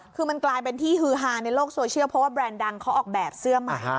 คือมันกลายเป็นที่ฮือฮาในโลกโซเชียลเพราะว่าแบรนด์ดังเขาออกแบบเสื้อใหม่